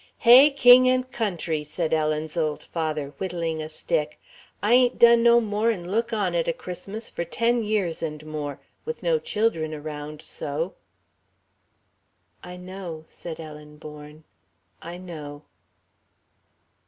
"Hey, king and country!" said Ellen's old father, whittling a stick, "I ain't done no more'n look on at a Christmas for ten years and more with no children around so." "I know," said Ellen Bourne, "I know...."